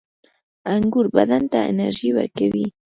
• انګور بدن ته انرژي ورکوي.